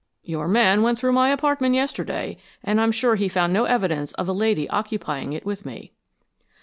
"Your man went through my apartment yesterday, and I'm sure he found no evidence of a lady occupying it with me."